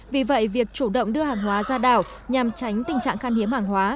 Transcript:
vì vậy việc chủ động đưa hàng hóa ra đảo nhằm tránh tình trạng khan hiếm hàng hóa